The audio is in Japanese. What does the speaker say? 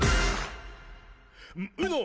「ウノ！